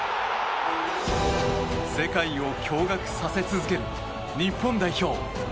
世界を驚愕させ続ける日本代表。